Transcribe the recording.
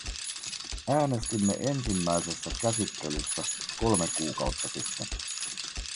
Äänestimme ensimmäisessä käsittelyssä kolme kuukautta sitten.